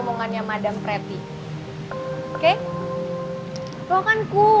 perhatian sama perasaan kamu